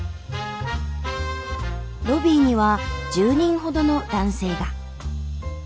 ロビーには１０人ほどの男性が。